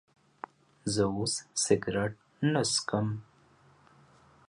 زه اوس سيګرټ نه سکم